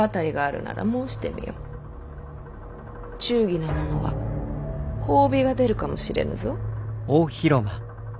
忠義な者は褒美が出るかもしれぬぞ。